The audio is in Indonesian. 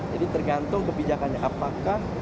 jadi tergantung kebijakannya apakah